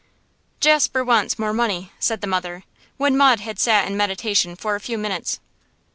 'Jasper wants more money,' said the mother, when Maud had sat in meditation for a few minutes.